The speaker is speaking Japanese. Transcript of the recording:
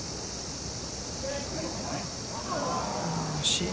惜しい。